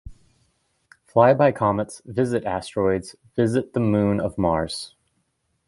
Fly by the comets, visit asteroids, visit the moon of Mars.